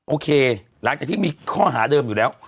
โอเคหลังจากที่มีข้อหาเดิมอยู่แล้ว